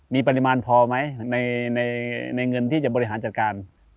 มีปริมาณพอไหมในเงินที่จะบริหารจัดการ